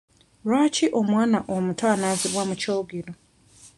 Lwaki omwana omuto anaazibwa mu kyogero?